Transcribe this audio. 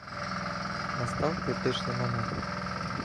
Настав критичний момент.